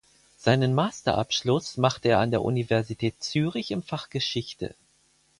Seinen Masterabschluss machte er an der Universität Zürich im Fach Geschichte.